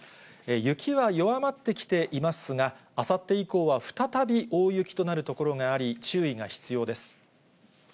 雪は弱まってきていますが、あさって以降は再び大雪となる所があり、注意が必要です。